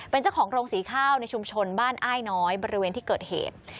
เป็นเจ้าของโรงสีข้าวในชุมชนบ้านอ้ายน้อยบริเวณที่เกิดเหตุ